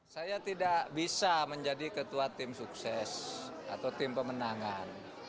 saya tidak bisa menjadi ketua tim sukses atau tim pemenangan